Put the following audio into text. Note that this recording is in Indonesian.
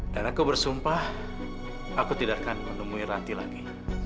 dan aku bersumpah aku tidak akan menemui ranti lagi